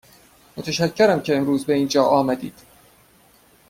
متشکرم که امروز به اینجا آمدید.